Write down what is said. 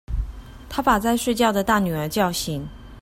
她把在睡覺的大女兒叫醒